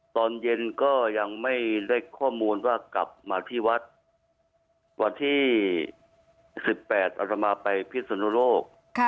ตอนเย็นก็ยังไม่ได้ข้อมูลว่ากลับมาที่วัดวันที่๑๘อัตมาไปพิศนุโลก